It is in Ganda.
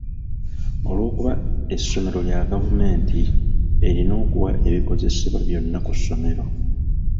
Olw'okuba essomero lya gavumenti, erina okuwa ebikozesebwa byonna ku ssomero.